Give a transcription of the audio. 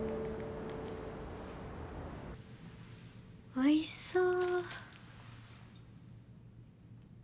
おいしそう。